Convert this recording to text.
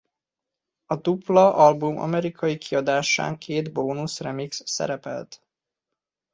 A dupla album amerikai kiadásán két bónusz remix szerepelt.